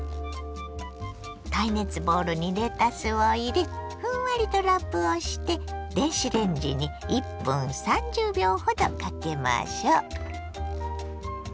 耐熱ボウルにレタスを入れふんわりとラップをして電子レンジに１分３０秒ほどかけましょ。